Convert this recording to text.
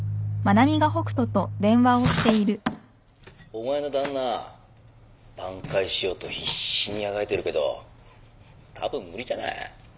お前の旦那挽回しようと必死にあがいてるけどたぶん無理じゃない？